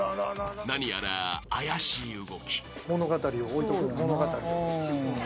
［何やら怪しい動き］